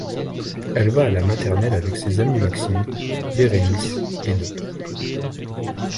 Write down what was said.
Elle va à la maternelle avec ses amis Maxime, Bérénice, et d'autres.